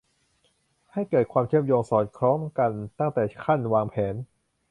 ให้เกิดความเชื่อมโยงสอดคล้องกันตั้งแต่ขั้นวางแผน